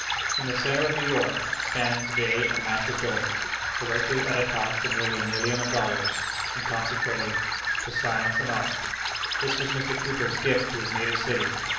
In the centre of New York stands to day a massive building, erected at a cost of nearly a million of dollars, and consecrated "To Science and Art." This was Mr. Cooper's gift to his native city.